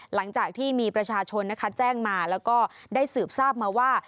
หลังจากที่มีประชาชนนะคะแจ้งมาแล้วก็ได้สืบทราบมาว่า